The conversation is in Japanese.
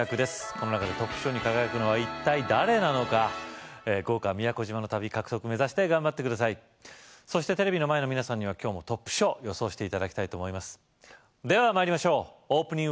この中でトップ賞に輝くのは一体誰なのか豪華宮古島の旅獲得目指して頑張って下さいそしてテレビの前の皆さんには今日もトップ賞を予想して頂きたいと思いますでは参りましょうオープニング